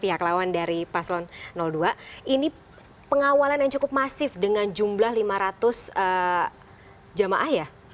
pihak lawan dari paslon dua ini pengawalan yang cukup masif dengan jumlah lima ratus jamaah ya